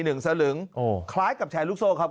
หนึ่งสลึงคล้ายกับแฉลูกโซ